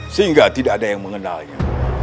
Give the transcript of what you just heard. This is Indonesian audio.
sehingga tidak ada yang mengenalnya